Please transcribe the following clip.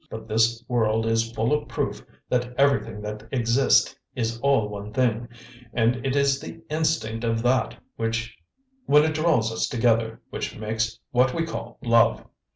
But this world is full of proof that everything that exist is all one thing, and it is the instinct of that, when it draws us together, which makes what we call 'love.'